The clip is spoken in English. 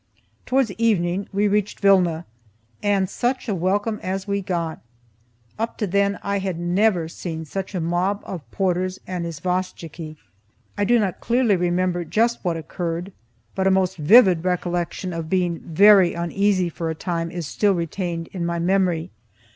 Towards evening we reached Vilna, and such a welcome as we got! Up to then I had never seen such a mob of porters and isvostchiky. I do not clearly remember just what occurred, but a most vivid recollection of being very uneasy for a time is still retained in my memory.